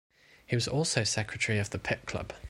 He was also secretary of the Pitt Club.